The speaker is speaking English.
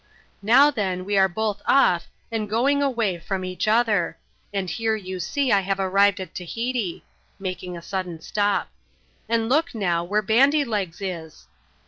" Now then, we are both off, and both going away from each other; and here you see I have arrived at Tahiti " (makin<» « sadden stop) ;" and look now, where Bandy Legs is